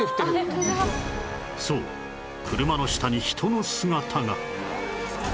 そう車の下に人の姿が